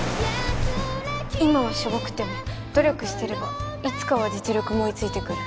今はしょぼくても努力してればいつかは実力も追いついてくる